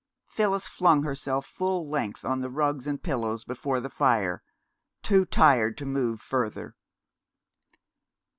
Phyllis flung herself full length on the rugs and pillows before the fire, too tired to move further.